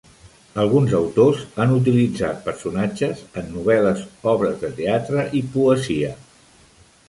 Alguns autors han utilitzat personatges en novel·les, obres de teatre i poesia.